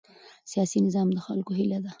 سیاسي نظام د خلکو هیله ده